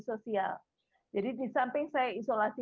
sosial jadi disamping saya isolasi